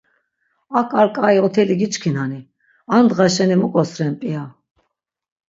Ak, ar k̆ai oteli giçkinani? Ar dğa şeni muk̆os ren p̆ia?